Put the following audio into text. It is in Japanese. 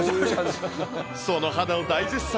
その肌を大絶賛。